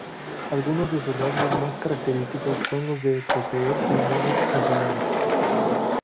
Algunos de sus rasgos más característicos son los de poseer pulmones funcionales.